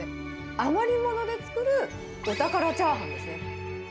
余りもので作るお宝チャーハンですね。